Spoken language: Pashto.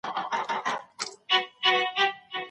کیدای شي د بل چا دعا تاسو بریالي کړي.